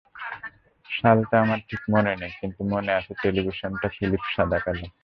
সালটা আমার ঠিক মনে নেই, কিন্তু মনে আছে টেলিভিশনটা ফিলিপস সাদাকালো।